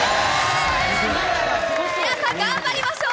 皆さん、頑張りましょう。